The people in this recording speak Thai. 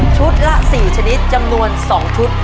ละ๔ชนิดจำนวน๒ชุด